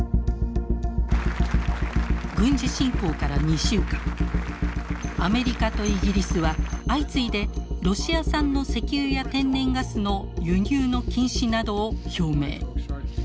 軍事侵攻から２週間アメリカとイギリスは相次いでロシア産の石油や天然ガスの輸入の禁止などを表明。